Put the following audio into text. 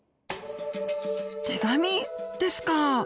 手紙ですか？